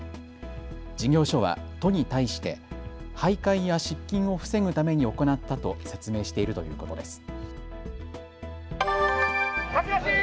事業所は都に対してはいかいや失禁を防ぐために行ったと説明しているということです。